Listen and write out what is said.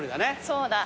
そうだ。